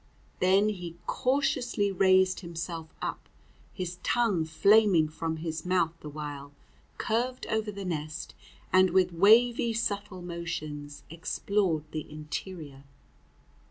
Then he cautiously raised himself up, his tongue flaming from his mouth the while, curved over the nest, and, with wavy, subtle motions, explored the interior.